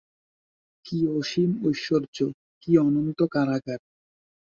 কী অসীম ঐশ্বর্য, কী অনন্ত কারাগার।